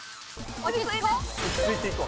落ち着いていこう。